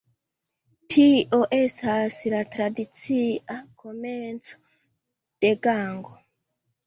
Tio estas la tradicia komenco de Gango.